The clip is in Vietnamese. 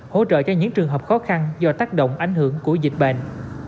hỗ trợ cho những trường hợp khó khăn do tác động ảnh hưởng của dịch bệnh